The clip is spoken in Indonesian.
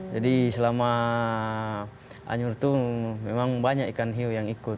jadi selama anyur itu memang banyak ikan hiu yang ikut